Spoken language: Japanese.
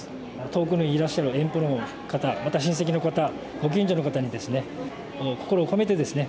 遠くにいらっしゃる遠方の方また親戚の方ご近所の方にですね